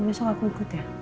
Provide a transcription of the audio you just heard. besok aku ikut ya